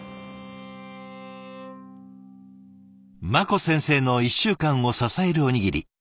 茉子先生の１週間を支えるおにぎり。